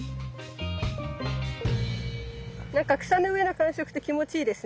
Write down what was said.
なんか草の上の感触って気持ちいいですね。